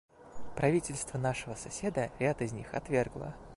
Правительство нашего соседа ряд из них отвергло.